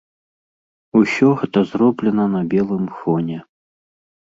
Усё гэта зроблена на белым фоне.